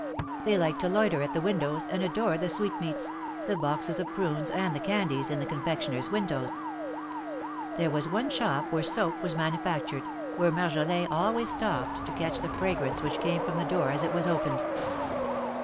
They liked to loiter at the windows and adore the sweetmeats, the box&s of prunes and the candies in the confectioners' windows. There was one shop where soap was manufactured, where Marjolin always stopped to catch the fragrance which came from the door as it was opened.